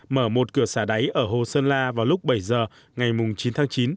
mở một cửa xả đáy ở hồ sơn la vào lúc bảy giờ ngày chín tháng chín